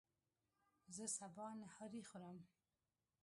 زه سبا نهاری خورم